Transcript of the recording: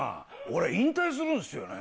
俺引退するんすよね。